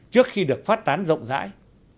trước khi được phát tán rộng rãi